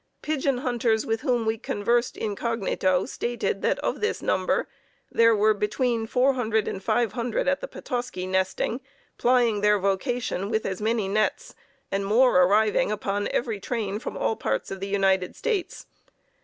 Pigeon hunters with whom we conversed incognito stated that of this number there were between 400 and 500 at the Petoskey nesting plying their vocation with as many nests, and more arriving upon every train from all parts of the United States.